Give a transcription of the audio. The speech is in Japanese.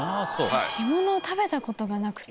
干物を食べたことがなくて。